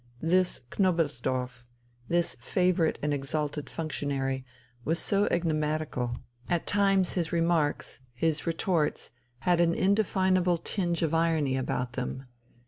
This Knobelsdorff, this favourite and exalted functionary, was so enigmatical. At times his remarks, his retorts, had an indefinable tinge of irony about them.